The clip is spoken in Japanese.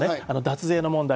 脱税の問題。